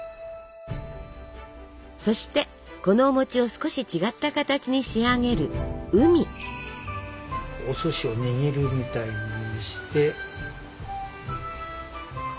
そしてこのお餅を少し違った形に仕上げるお寿司を握るみたいにして。